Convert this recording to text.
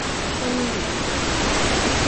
Fundi.